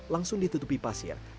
langsung ditutupi pasir